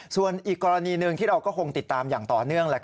ส่วนอีกกรณีหนึ่งที่เราก็คงติดตามอย่างต่อเนื่อง